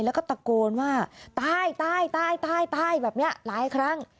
แล้วก็ตะโกนว่าใต้ใต้แบบนี้หลายครั้ง